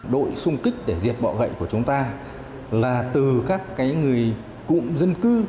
đội sung kích để diệt bỏ gậy của chúng ta là từ các cái người cụm dân cư